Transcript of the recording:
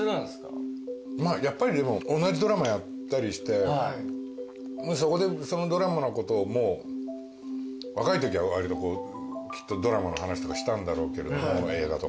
まあやっぱりでも同じドラマやったりしてそこでそのドラマのことをもう若いときはわりときっとドラマの話とかしたんだろうけれども映画とか。